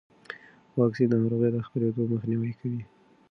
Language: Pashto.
واکسن د ناروغۍ د خپرېدو مخنیوی کوي.